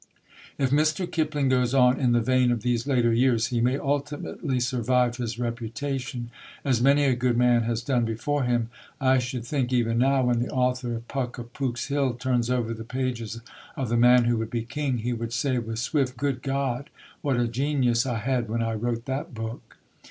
If Mr. Kipling goes on in the vein of these later years, he may ultimately survive his reputation, as many a good man has done before him. I should think even now, when the author of Puck of Pook's Hill turns over the pages of The Man Who Would Be King, he would say with Swift, "Good God! what a genius I had when I wrote that book!"